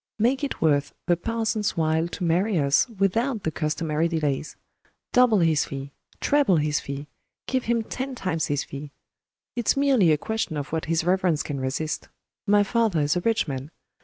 Make it worth the parson's while to marry us, without the customary delays. Double his fee, treble his fee give him ten times his fee. It's merely a question of what his reverence can resist. My father is a rich man.